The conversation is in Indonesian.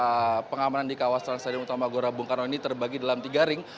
saya bisa sedikit gambarkan pengamanan di kawasan stadion utama gorabungkan ini terbagi dalam tiga ring